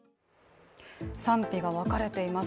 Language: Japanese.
賛否が分かれています